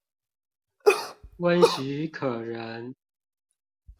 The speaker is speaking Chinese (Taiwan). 溫煦可人